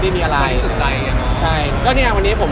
เพราะว่าเราไปดูคอนเสิร์ตด้วยกันบ่อย